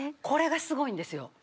これがすごいんですよ。